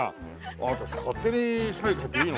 あなた勝手にサイン書いていいの？